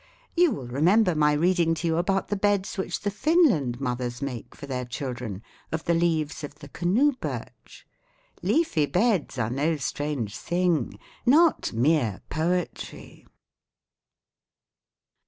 You will remember my reading to you about the beds which the Finland mothers make for their children of the leaves of the canoe birch. 'Leafy beds' are no strange thing not mere poetry."